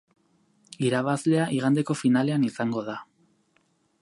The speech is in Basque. Irabazlea igandeko finalean izango da.